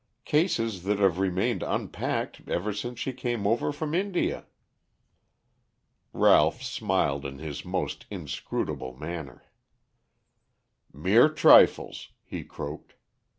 Cases that have remained unpacked ever since she came over from India." Ralph smiled in his most inscrutable manner. "Mere trifles," he croaked.